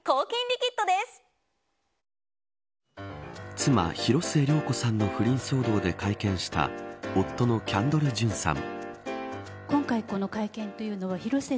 妻、広末涼子さんの不倫騒動で会見した夫のキャンドル・ジュンさん。